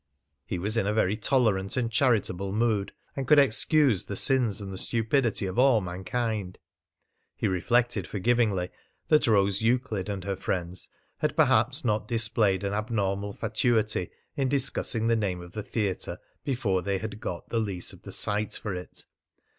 He was in a very tolerant and charitable mood, and could excuse the sins and the stupidity of all mankind. He reflected forgivingly that Rose Euclid and her friends had perhaps not displayed an abnormal fatuity in discussing the name of the theatre before they had got the lease of the site for it.